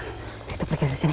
kita pergi dari sini